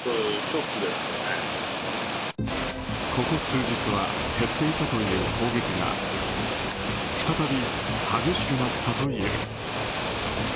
ここ数日は減っていたという攻撃が再び激しくなったという。